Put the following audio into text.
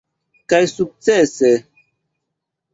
Kaj sukcese!